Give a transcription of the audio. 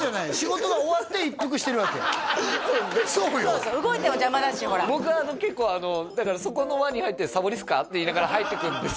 そうそう動いても邪魔だしほら僕結構だからそこの輪に入って「サボりっすか？」って言いながら入っていくんですよ